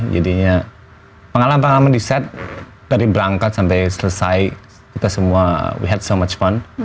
jadinya pengalaman pengalaman di set dari berangkat sampai selesai kita semua we had so much fun